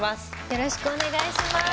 よろしくお願いします。